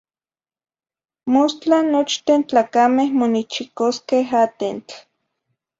Mostla nochten tlacameh monichicosqueh atentl.